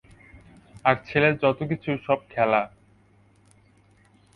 আর ছেলের যত-কিছু সব খেলা।